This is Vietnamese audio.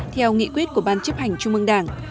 theo nghị quyết của ban chấp hành trung ương đảng